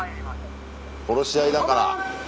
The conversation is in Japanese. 殺し合いだから。